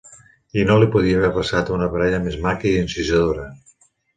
I no li podia haver passat a una parella més maca i encisadora.